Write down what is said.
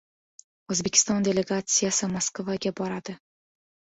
O‘zbekiston delegatsiyasi Moskvaga boradi